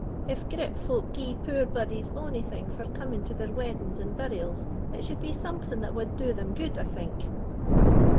If grit folk gie poor bodies ony thing for coming to their weddings and burials, it suld be something that wad do them gude, I think."